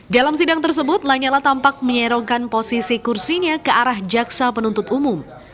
dalam sidang tersebut lanyala tampak menyerongkan posisi kursinya ke arah jaksa penuntut umum